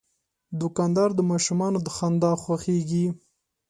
دوکاندار د ماشومانو د خندا خوښیږي.